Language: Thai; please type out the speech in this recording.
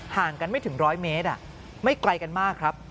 ห่างกันไม่ถึง๑๐๐เมตรไม่ไกลกันมากครับ